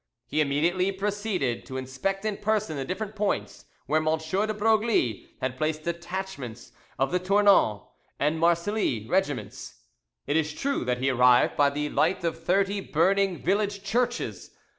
He immediately proceeded to inspect in person the different points where M. de Broglie had placed detachments of the Tournon and Marsily regiments. It is true that he arrived by the light of thirty burning village churches.